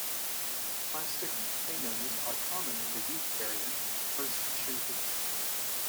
Plastic camans are common in the youth variant "First Shinty".